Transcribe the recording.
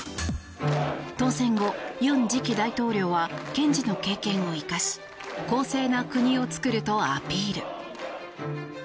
当選後、ユン次期大統領は検事の経験を生かし公正な国を作るとアピール。